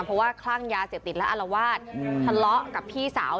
เพราะว่าคลั่งยาเสพติดและอารวาสทะเลาะกับพี่สาว